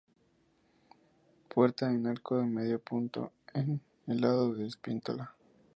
Puerta en arco de medio punto, en el lado de la Epístola.